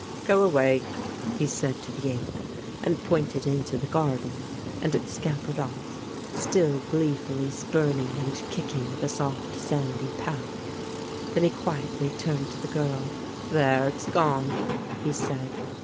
"Go away," he said to the ape, and pointed into the garden, and it scampered off, still gleefully spurn ing and kicking the soft sandy path. Then he quietly turned to the girl. "There, it's gone," he said.